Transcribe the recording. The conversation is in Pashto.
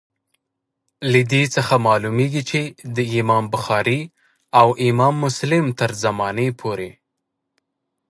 له دې څخه معلومیږي چي د امام بخاري او امام مسلم تر زمانې پوري.